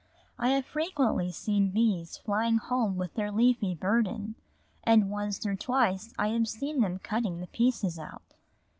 I have frequently seen bees flying home with their leafy burden, and once or twice I have seen them cutting the pieces out.